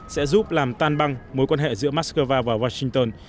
sẽ giúp làm tan băng mối quan hệ giữa moscow và washington